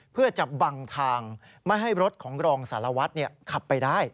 เพื่อจะบังทางไม่ให้รถของรองสารวัตรขับไปได้